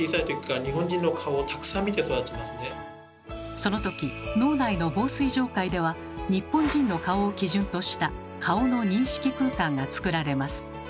その時脳内の紡錘状回では日本人の顔を基準とした顔の認識空間がつくられます。